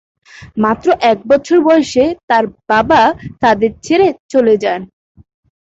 মাত্র এক বছর বয়সে তাঁর বাবা তাঁদের ছেড়ে চলে যান।